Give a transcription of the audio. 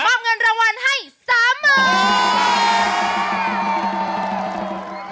เงินรางวัลให้๓๐๐๐บาท